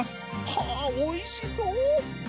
はあおいしそう！